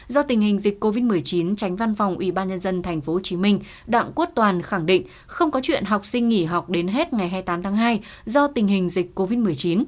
do tình hình dịch covid một mươi chín tránh văn phòng ubnd tp hcm đặng quốc toàn khẳng định không có chuyện học sinh nghỉ học đến hết ngày hai mươi tám tháng hai do tình hình dịch covid một mươi chín